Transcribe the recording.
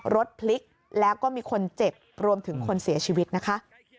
รถพลิกแล้วก็มีคนเจ็บรวมถึงคนเสียชีวิตนะคะ